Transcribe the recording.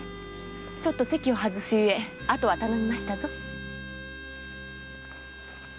ちょっと席を外すゆえ後は頼みましたぞ。